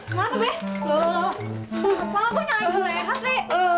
kenapa gue nyanyi leha sih